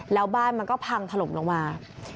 แล้วบ้านมันก็พังถล่มลงมา